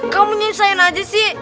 kamu nyusahin aja sih